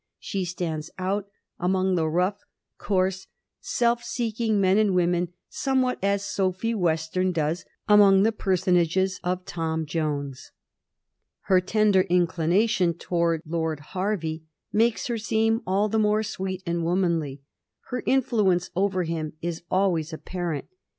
She stands out among the rough, coarse, self seeking men and women somewhat as Sophy Western does among the personages of " Tom Jones." Her tender inclination towards Lord Hervey makes her seem all the more sweet and womanly; her influence over him is always apparent.